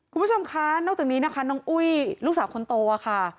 คุณผู้ชมคะนอกจากนี้นะคะน้องอุ้ยลูกสาวคนโตค่ะ